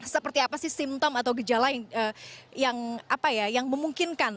seperti apa sih simptom atau gejala yang memungkinkan